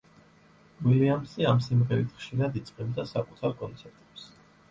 უილიამსი ამ სიმღერით ხშირად იწყებდა საკუთარ კონცერტებს.